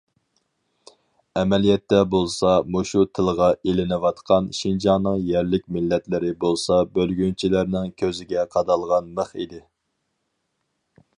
ئەمەلىيەتتە بولسا مۇشۇ تىلغا ئېلىنىۋاتقان شىنجاڭنىڭ يەرلىك مىللەتلىرى بولسا بۆلگۈنچىلەرنىڭ كۆزىگە قادالغان مىخ ئىدى!